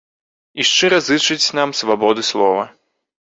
І шчыра зычаць нам свабоды слова.